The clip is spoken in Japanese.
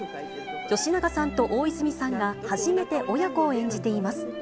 吉永さんと大泉さんが初めて親子を演じています。